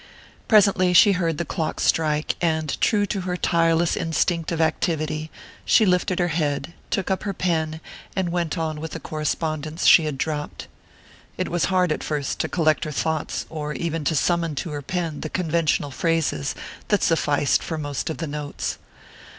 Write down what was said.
Presently she heard the clock strike, and true to her tireless instinct of activity, she lifted her head, took up her pen, and went on with the correspondence she had dropped.... It was hard at first to collect her thoughts, or even to summon to her pen the conventional phrases that sufficed for most of the notes.